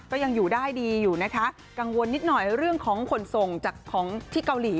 ก็ยังอยู่ได้ดีอยู่นะคะกังวลนิดหน่อยเรื่องของขนส่งจากของที่เกาหลี